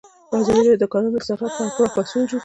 ازادي راډیو د د کانونو استخراج په اړه پراخ بحثونه جوړ کړي.